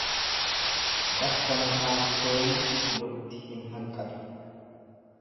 Bakka mataan seene lukti hin hanqatu.